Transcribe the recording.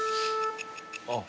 ［あっ］